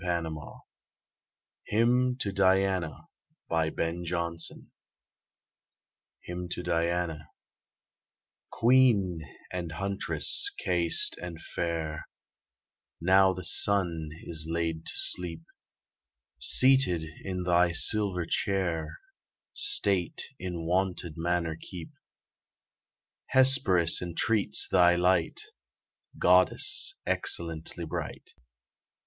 Alfred Tennyson .36] RAINBOW GOLD HYMN TO DIANA QUEEN and Huntress, chaste and fair, Now the sun is laid to sleep, Seated in thy silver chair, State in wonted manner keep: Hesperus entreats thy light, Goddess excellently bright.